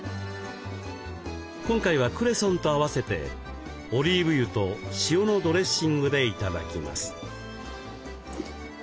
今回はクレソンと合わせてオリーブ油と塩のドレッシングで頂きます。